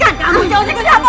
kamu jauh jauh ke cabur